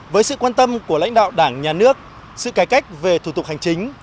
với sự quan tâm của lãnh đạo đảng nhà nước sự cải cách về thủ tục hành chính